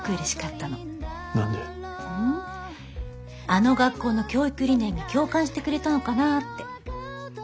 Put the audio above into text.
あの学校の教育理念に共感してくれたのかなって。